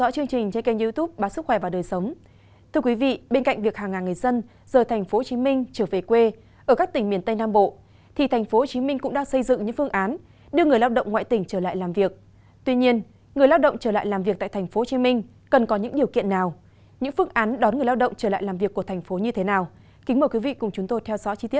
các bạn hãy đăng ký kênh để ủng hộ kênh của chúng mình nhé